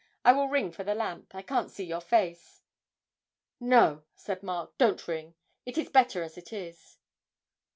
'I will ring for the lamp. I can't see your face.' 'No,' said Mark, 'don't ring; it is better as it is.'